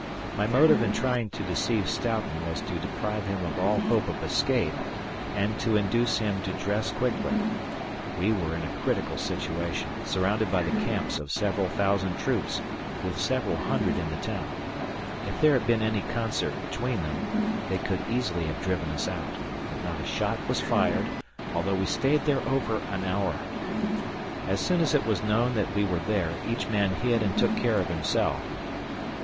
My motive in trying to deceive Stoughton was to deprive him of all hope of escape and to induce him to dress quickly. We were in a critical situation, surrounded by the camps of several thousand troops with several hundred in the town. If there had been any concert between them, they could easily have driven us out; but not a shot was fired although we stayed there over an hour. As soon as it was known that we were there, each man hid and took care of himself.